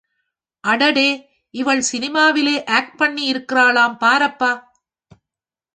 அடடே இவள் சினிமாவிலே ஆக்டுப்பண்ணி இருக்காளாம்... பாரப்பா!